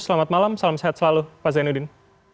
selamat malam salam sehat selalu pak zainuddin